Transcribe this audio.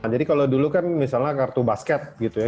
jadi kalau dulu kan misalnya kartu basket gitu ya